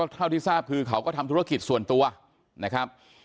เท่าที่ทราบคือเขาก็ทำธุรกิจส่วนตัวนะครับ